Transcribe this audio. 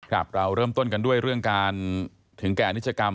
เราเริ่มต้นกันด้วยเรื่องการถึงแก่อนิจกรรม